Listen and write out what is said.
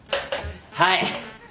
はい！